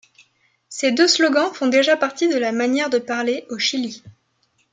Ces deux slogans font déjà partie de la manière de parler au Chili.